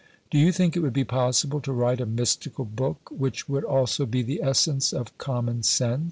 Do you think it would be possible to write a mystical book which would also be the essence of Common Sense?"